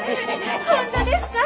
本当ですか！？